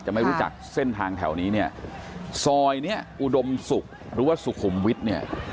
ไม่รู้จักเส้นทางแถวนี้เนี่ยซอยเนี้ยอุดมศุกร์หรือว่าสุขุมวิทย์เนี่ย